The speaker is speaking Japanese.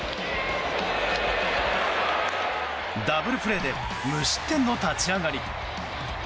ダブルプレーで無失点の立ち上がり。